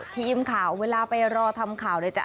ทีมข่าวเวลาไปรอทำข่าวเนี่ย